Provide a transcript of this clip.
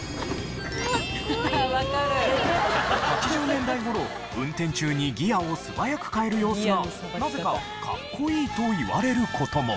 ８０年代頃運転中にギアを素早く変える様子がなぜかかっこいいと言われる事も。